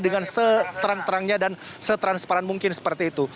dengan seterang terangnya dan setransparan mungkin seperti itu